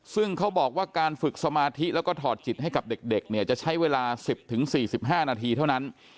ซึ่งเขาบอกว่าการฝึกสมาธิแล้วก็ถอดจิตให้กับเด็กเนี่ยจะใช้เวลา๑๐๔๕นาทีเท่านั้น